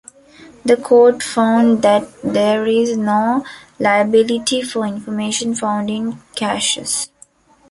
The Court found that there is no liability for information found in caches.